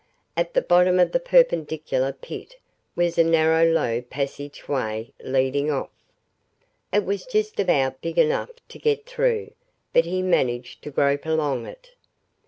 At the bottom of the perpendicular pit was a narrow low passage way, leading off. It was just about big enough to get through, but he managed to grope along it.